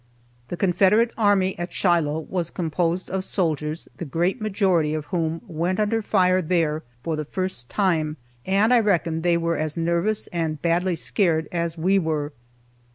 The Confederate army at Shiloh was composed of soldiers the great majority of whom went under fire there for the first time, and I reckon they were as nervous and badly scared as we were.